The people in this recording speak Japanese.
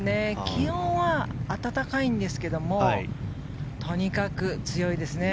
気温は暖かいんですけれどもとにかく強いですね。